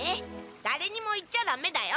だれにも言っちゃダメだよ。